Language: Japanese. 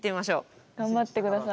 頑張ってください。